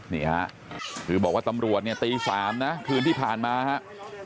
นี่ฮะคือบอกว่าตำรวจเนี่ยตี๓นะคืนที่ผ่านมาครับ